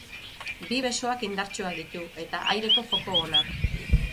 Bi besoak indartsuak ditu, eta aireko joko ona.